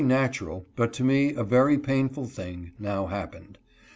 323 natural, but to me a very painful thing, now happened.